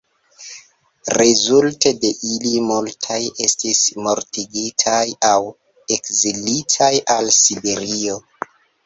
Rezulte de ili multaj estis mortigitaj aŭ ekzilitaj al Siberio.